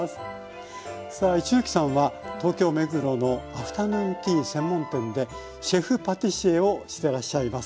さあ一ノ木さんは東京・目黒のアフタヌーンティー専門店でシェフパティシエをしてらっしゃいます。